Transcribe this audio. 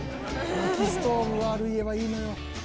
薪ストーブがある家はいいのよ。